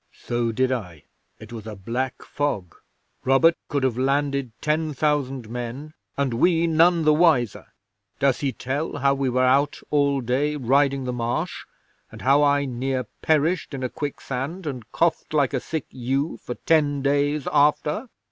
"' '"So did I. It was a black fog. Robert could have landed ten thousand men, and we none the wiser. Does he tell how we were out all day riding the Marsh, and how I near perished in a quicksand, and coughed like a sick ewe for ten days after?"